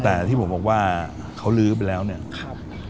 แต่ที่ผมบอกว่าเขาลื้อไปแล้วเนี่ยครับ